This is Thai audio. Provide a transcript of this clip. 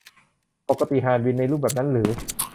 ปกติห่านบินในรูปแบบนั้นหรือ